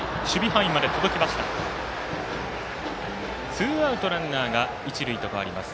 ツーアウト、ランナーが一塁と変わります。